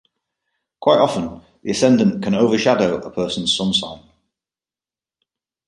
Quite often, the Ascendant can overshadow a person's Sun sign.